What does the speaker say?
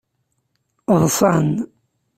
Ḍsan.